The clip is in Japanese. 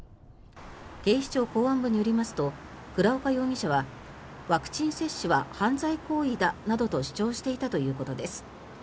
警視庁公安部によりますと倉岡容疑者はワクチン接種は犯罪行為だなどと主張していたということです。